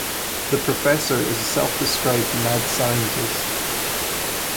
The Professor is a self-described mad scientist.